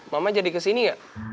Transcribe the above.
mama jadi kesini gak